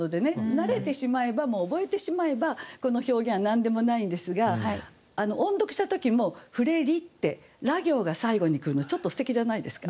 慣れてしまえば覚えてしまえばこの表現は何でもないんですが音読した時も「降れり」ってら行が最後に来るのちょっとすてきじゃないですか？